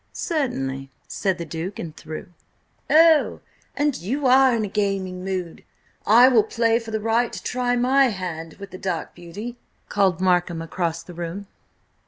"Certainly," said the Duke, and threw. "Oh, an you are in a gaming mood, I will play you for the right to try my hand with the dark beauty!" called Markham across the room.